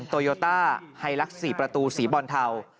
โตโยต้าไฮลักษ์๔ประตูสีบอลเทา